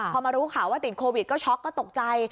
พอมารู้ข่าวว่าติดโควิดก็ช็อกก็ตกใจ